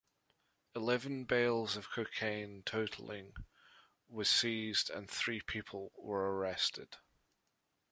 Eleven bales of cocaine, totaling was seized and three people were arrested.